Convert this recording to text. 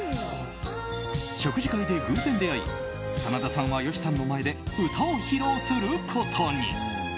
食事会で偶然出会い真田さんは吉さんの前で歌を披露することに。